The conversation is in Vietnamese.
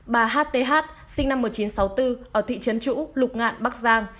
bà h t h sinh năm một nghìn chín trăm sáu mươi bốn ở thị trấn chũ lục ngạn bắc giang